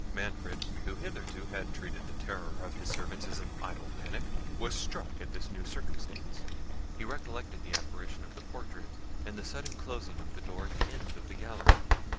Manfred, who hitherto had treated the terror of his servants as an idle panic, was struck at this new circumstance. He recollected the apparition of the portrait, and the sudden closing of the door at the end of the gallery.